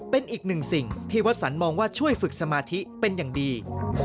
เป็นอีกหนึ่งสิ่งที่วัสสันมองว่าช่วยฝึกสมาธิเป็นอย่างดี